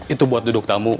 itu buat duduk tamu